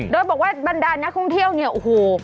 โดยบอกว่าบรรดานักท่องเที่ยวเนี่ยโอ้โห